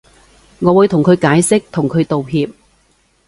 我會同佢解釋同佢道歉